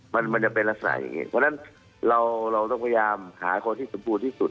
มันมันจะเป็นลักษณะอย่างนี้เพราะฉะนั้นเราต้องพยายามหาคนที่สมบูรณ์ที่สุด